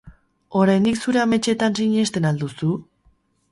Oraindik zure ametsetan sinesten al duzu?